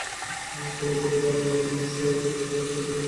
সমর্থকদের মতো আমিও বিমর্ষ, তবে বার্সার এখনো দেওয়ার অনেক কিছু আছে।